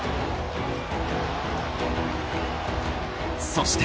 ［そして］